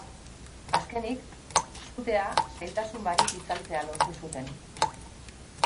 Azkenik, sutea zailtasun barik itzaltzea lortu zuten.